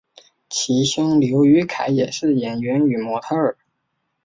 其兄刘雨凯也是演员与模特儿。